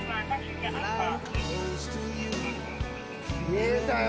見えたよ